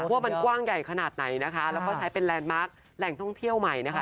ว่ามันกว้างใหญ่ขนาดไหนนะคะแล้วก็ใช้เป็นแลนดมาร์คแหล่งท่องเที่ยวใหม่นะคะ